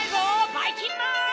ばいきんまん！